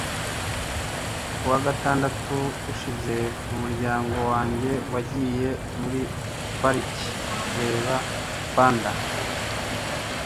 ku wa gatandatu ushize, umuryango wanjye wagiye muri pariki kureba panda